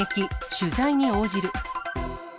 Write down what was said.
取材に応じる。